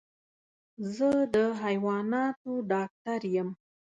زه د حيواناتو ډاکټر يم.